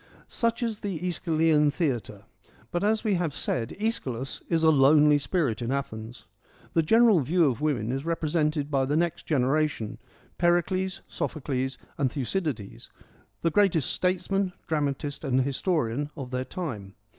Such is the ^Eschylean theatre ; but, as we have said, iEschylus is a lonely spirit in Athens. The general view of women is represented by the next generation, Pericles, Sophocles, and Thucydides, the greatest statesman, dramatist, and historian of their time.